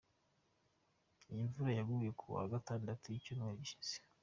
Iyi mvura yaguye ku wa Gatandatu w’ icyumweru gishize.